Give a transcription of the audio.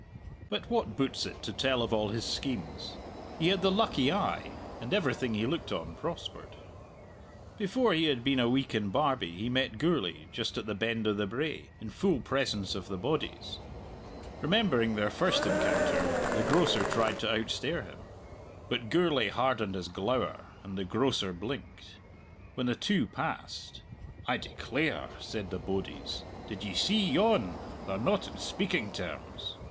But what boots it to tell of all his schemes? He had the lucky eye, and everything he looked on prospered. Before he had been a week in Barbie he met Gourlay, just at the Bend o' the Brae, in full presence of the bodies. Remembering their first encounter, the grocer tried to outstare him; but Gourlay hardened his glower, and the grocer blinked. When the two passed, "I declare!" said the bodies, "did ye see yon? they're not on speaking terms!"